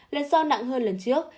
lần sau nặng hơn lần trước